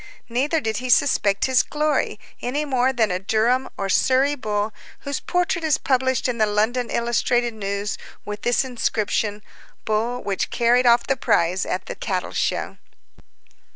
Neither did he suspect his glory, any more than a Durham or Surrey bull whose portrait is published in the London Illustrated News, with this inscription: "Bull which carried off the prize at the Cattle Show."